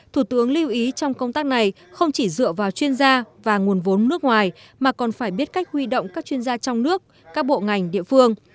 thủ tướng lưu ý trong công tác này không chỉ dựa vào chuyên gia và nguồn vốn nước ngoài mà còn phải biết cách huy động các chuyên gia trong nước các bộ ngành địa phương